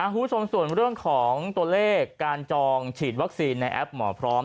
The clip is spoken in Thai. คุณผู้ชมส่วนเรื่องของตัวเลขการจองฉีดวัคซีนในแอปหมอพร้อม